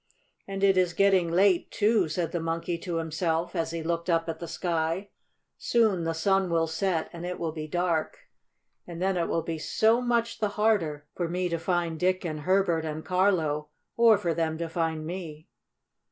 "And it is getting late, too," said the Monkey to himself, as he looked up at the sky. "Soon the sun will set, and it will be dark. And then it will be so much the harder for me to find Dick and Herbert and Carlo, or for them to find me.